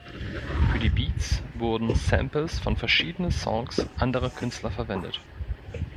Für die Beats wurden Samples von verschiedenen Songs anderer Künstler verwendet.